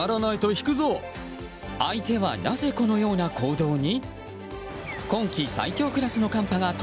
相手はなぜこのような行動に？